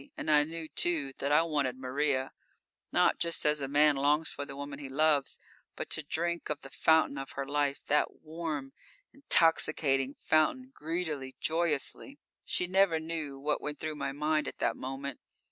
And I knew, too, that I wanted Maria not just as a man longs for the woman he loves but to drink of the fountain of her life, that warm, intoxicating fountain, greedily, joyously. She never knew what went through my mind at that moment.